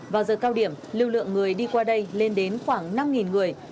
vào giờ cao điểm lưu lượng người đi qua đây lên đến khoảng năm người